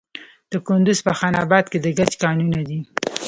د کندز په خان اباد کې د ګچ کانونه دي.